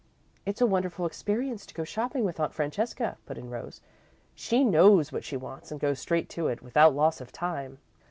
"It's a wonderful experience to go shopping with Aunt Francesca," put in Rose. "She knows what she wants and goes straight to it, without loss of time.